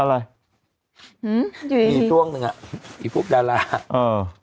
อะไรมีช่วงหนึ่งอ่ะไอ้พวกดาราเออ